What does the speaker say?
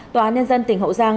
tòa án nhân dân tỉnh hậu giang